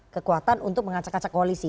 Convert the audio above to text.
kekuatan untuk mengacak ngacak koalisi